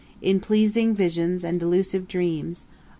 In pleasing visions and delusive dreams, O!